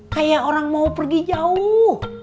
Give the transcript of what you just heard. kayak orang mau pergi jauh